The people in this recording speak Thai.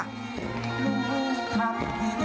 ขอบคุณครับ